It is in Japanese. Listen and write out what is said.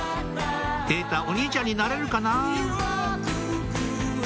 「瑛太お兄ちゃんになれるかな」